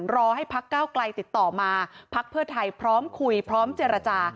รอให้พักเก้าไกลติดต่อมาพักเพื่อไทยพร้อมคุยพร้อมเจรจา